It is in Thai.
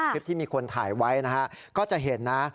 คลิปที่มีคนถ่ายไว้นะฮะ